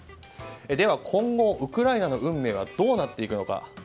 では今後、ウクライナの運命はどうなっていくのか。